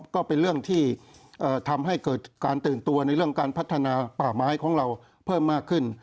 ก็เป็นเรื่องที่ทำให้เกิดการตื่นตัวในเรื่องการพัฒนาป่าไม้ของเราเพิ่มมากขึ้น